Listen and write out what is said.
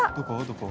どこ？